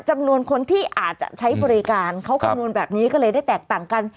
จำนวนคนที่อาจจะใช้บริการเขาคำนวณแบบนี้ก็เลยได้แตกต่างกัน